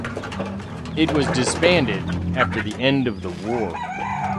It was disbanded after the end of the war.